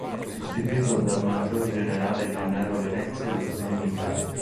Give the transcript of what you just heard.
Sostituito dal maggior generale Gennaro Venezia ritornò in Italia.